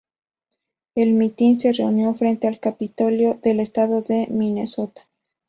El mitin se reunió frente al Capitolio del Estado de Minnesota.